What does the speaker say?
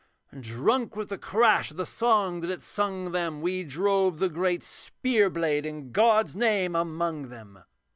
And drunk with the crash of the song that it sung them, We drove the great spear blade in God's name among them.